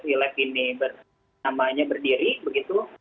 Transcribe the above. dg silek ini namanya berdiri begitu